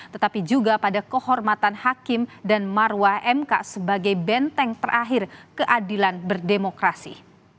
tetapi juga pada kehormatan hakim dan marwah mk sebagai benteng terakhir keadilan berdemokrasi